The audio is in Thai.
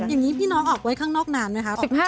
อย่างนี้พี่น้องออกไว้ข้างนอกนานไหมคะ